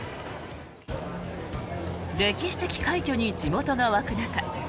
歴史的快挙に地元が沸く中凱旋